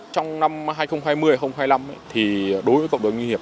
trong năm hai nghìn hai mươi hai nghìn hai mươi năm thì đối với cộng đồng ngư nghiệp